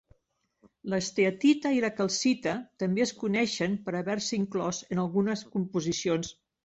La esteatita i la calcita també es coneixen per haver-se inclòs en algunes composicions.